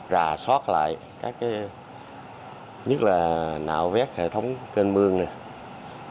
rà soát lại các cái nhất là nạo vét hệ thống kênh mương này